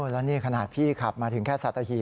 แล้วนี่ขนาดพี่ขับมาถึงแค่สัตหี